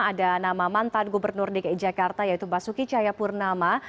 ada nama mantan gubernur dki jakarta yaitu basuki cahayapurnama